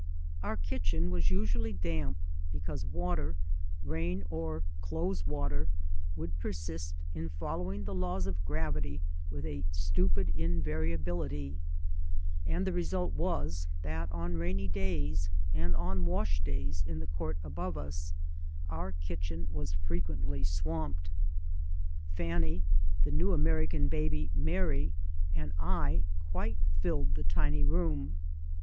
Our kitchen D.D.Nzea by Google MY MOTHER AND I was usually damp because water (rain or " clothes water ") would persist in following the laws of gravity with a stupid invariability, and the result was that on rainy days, and on wash days in the court above us, our kitchen was frequently swamped. Fanny, the new American baby Mary, and I, quite filled the tiny room.